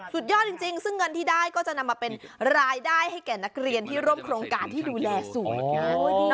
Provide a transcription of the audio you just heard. สุดยอดจริงซึ่งเงินที่ได้ก็จะนำมาเป็นรายได้ให้แก่นักเรียนที่ร่วมโครงการที่ดูแลสวยงาม